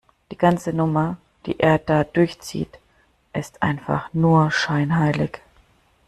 Die ganze Nummer, die er da durchzieht, ist einfach nur scheinheilig.